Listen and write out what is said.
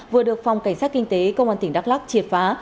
vừa được phòng cảnh sát kinh tế công an tỉnh đắk lắc triệt phá